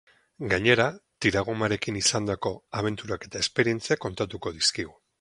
Gainera, tiragomarekin izandako abenturak eta esperientziak kontatuko dizkigu.